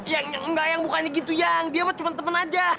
yang nggak yang bukannya gitu yang dia mah cuma temen aja